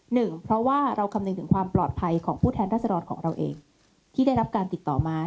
หนึ่งเพราะว่าเราคำนึงถึงความปลอดภัยของผู้แทนรัศดรของเราเองที่ได้รับการติดต่อมา